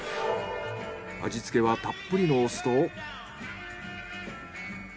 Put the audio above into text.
味付けはたっぷりのお酢と。